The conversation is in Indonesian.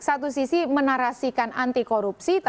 satu sisi menarasikan anti korupsi